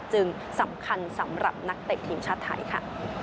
สำคัญสำหรับนักเตะทีมชาติไทยค่ะ